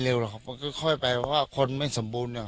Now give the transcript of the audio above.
เร็วหรอกมันก็ค่อยไปเพราะว่าคนไม่สมบูรณ์อย่าง